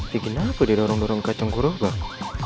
dikira apa di dorong dorong kacang kuruh bang